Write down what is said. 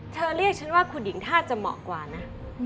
เธอเรียกฉันว่าคุณหญิงท่าจะเหมาะกว่านะ